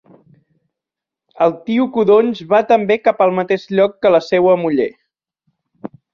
El tio Codonys va també cap al mateix lloc que la seua muller.